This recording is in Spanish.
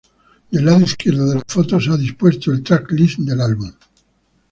Del lado izquierdo de la foto se ha dispuesto el track-list del álbum.